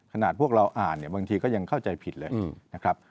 ขนาดพวกเราอ่านเนี่ยบางทีก็ยังเข้าใจผิดเลยนะครับ